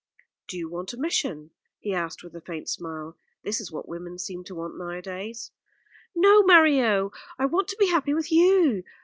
"Do you want a mission?" he asked with a faint smile. "That is what women seem to want nowadays." "No, Mario. I want to be happy with you.